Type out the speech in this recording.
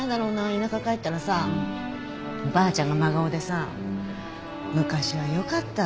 田舎帰ったらさばあちゃんが真顔でさ昔はよかったって。